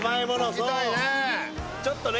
そうちょっとね